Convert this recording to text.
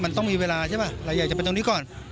มันต้องมีเวลาใช่ป่ะเราอยากจะไปตรงนี้ก่อน